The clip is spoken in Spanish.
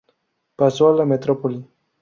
Pasó a la metrópoli.